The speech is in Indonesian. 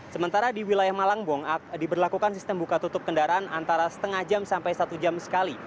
sementara di wilayah malangbong diberlakukan sistem buka tutup kendaraan antara setengah jam sampai satu jam sekali